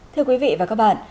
thưa quý vị và các bạn